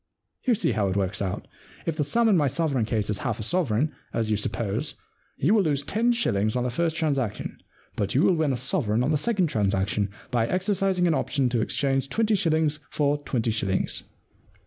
You see how it works out. If the sum in my sovereign case is half a sovereign, as you suppose, you will lose ten shillings on the first transaction, but you will win a sovereign on the second transaction by exercising an option to exchange twenty shillings for twenty shillings.'